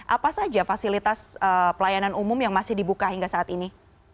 apa saja fasilitas pelayanan umum yang masih dibuka hingga saat ini